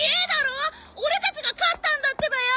オレたちが勝ったんだってばよ！